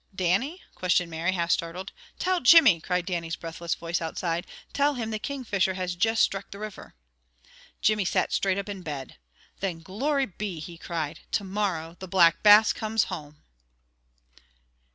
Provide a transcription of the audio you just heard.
"Dannie?" questioned Mary, half startled. "Tell Jimmy!" cried Dannie's breathless voice outside. "Tell him the Kingfisher has juist struck the river!" Jimmy sat straight up in bed. "Then glory be!" he cried. "To morrow the Black Bass comes home!"